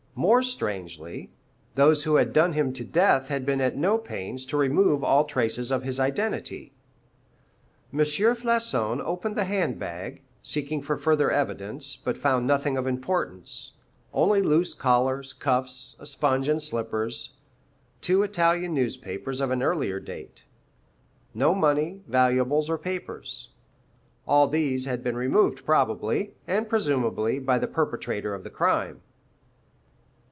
More strangely, those who had done him to death had been at no pains to remove all traces of his identity. M. Floçon opened the hand bag, seeking for further evidence; but found nothing of importance, only loose collars, cuffs, a sponge and slippers, two Italian newspapers of an earlier date. No money, valuables, or papers. All these had been removed probably, and presumably, by the perpetrator of the crime.